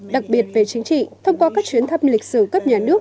đặc biệt về chính trị thông qua các chuyến thăm lịch sử cấp nhà nước